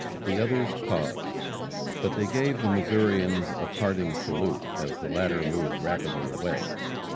The others paused. But they gave the Missourians a parting salute as the latter moved rapidly away.